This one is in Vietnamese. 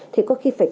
thì có khi phải